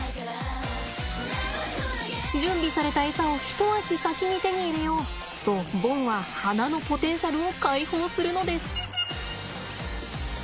準備されたエサを一足先に手に入れようとボンは鼻のポテンシャルを解放するのです。